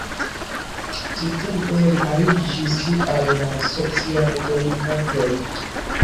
Tiutempe li aliĝis al la socialdemokratoj.